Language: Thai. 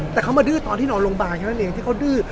แต่เขามาดื้อตอนที่นอนโรงพยาบาลแค่นั้นเองที่เขาดื้อ